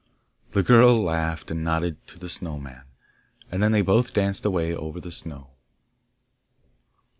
The girl laughed, and nodded to the Snow man, and then they both danced away over the snow.